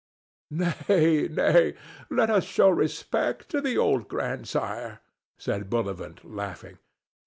"Nay, nay! Let us show respect to the good grandsire," said Bullivant, laughing.